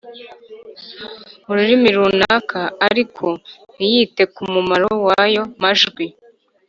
mu rurimi runaka ariko ntiyite ku mumaro w’ayo majwi.